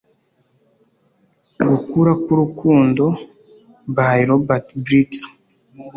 "gukura kw'urukundo" by robert bridges